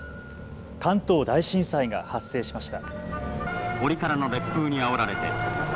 関東大震災が発生しました。